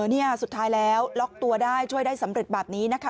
นี่สุดท้ายแล้วล็อกตัวได้ช่วยได้สำเร็จแบบนี้นะคะ